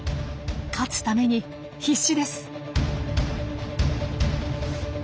勝つために必死です。